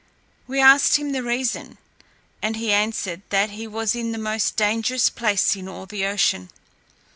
We asked him the reason, and he answered, that he was in the most dangerous place in all the ocean.